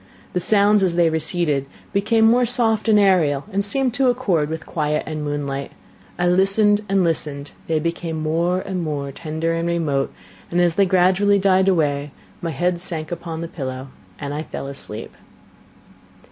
The sounds, as they receded, became more soft and aerial, and seemed to accord with quiet and moonlight. I listened and listened they became more and more tender and remote, and, as they gradually died away, my head sank upon the pillow and I fell asleep.